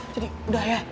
jadi udah ya